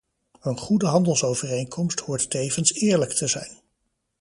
Een goede handelsovereenkomst hoort tevens eerlijk te zijn.